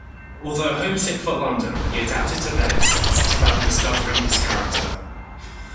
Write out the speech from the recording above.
Although homesick for London, he adapted to Venice and set about discovering its character.